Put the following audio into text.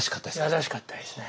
優しかったですね。